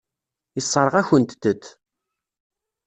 Yessṛeɣ-akent-t.